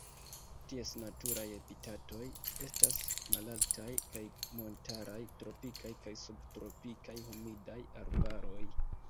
Ties naturaj habitatoj estas malaltaj kaj montaraj tropikaj kaj subtropikaj humidaj arbaroj.